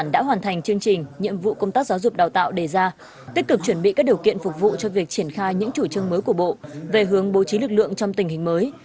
đã hoàn thành chương trình nhiệm vụ công tác giáo dục đào tạo đề ra tích cực chuẩn bị các điều kiện phục vụ cho việc triển khai những chủ trương mới của bộ về hướng bố trí lực lượng trong tình hình mới